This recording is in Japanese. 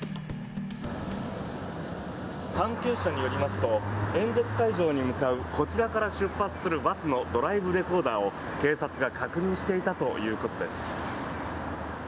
関係者によりますと演説会場に向かうこちらから出発するバスのドライブレコーダーを警察が確認していたということです。